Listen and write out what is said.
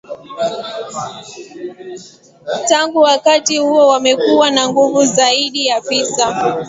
Tangu wakati huo wamekuwa na nguvu zaidi afisa